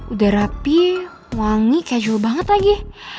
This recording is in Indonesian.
udah rapi wangi keju banget lagi